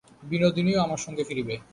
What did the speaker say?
বিনোদিনীও আমার সঙ্গে ফিরিবে।